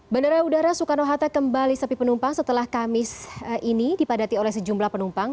bandara udara soekarno hatta kembali sepi penumpang setelah kamis ini dipadati oleh sejumlah penumpang